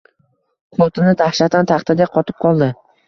Xotini dahshatdan taxtadek qotib qoldi